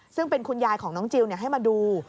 ซึ่งเป็นคุณยายของน้องจิลให้มาดู